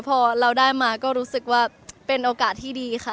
พอเราได้มาก็รู้สึกว่าเป็นโอกาสที่ดีค่ะ